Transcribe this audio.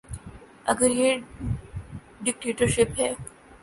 اگر یہ ڈکٹیٹرشپ ہے۔